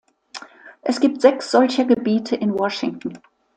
Es gibt sechs solcher Gebiete in Washington.